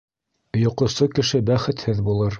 Йоҡосо кеше бәхетһеҙ булыр.